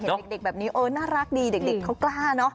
เห็นเด็กแบบนี้เออน่ารักดีเด็กเขากล้าเนอะ